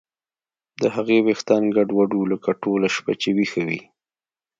د هغې ویښتان ګډوډ وو لکه ټوله شپه چې ویښه وي